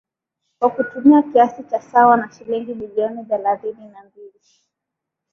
kwa kutumia kiasi cha sawa na shilingi bilioni thelathini na mbili